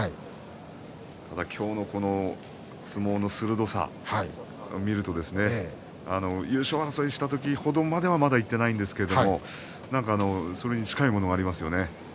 今日のこの相撲の鋭さを見ると優勝争いした時程まではまだいっていませんがそれに近いものがありますよね。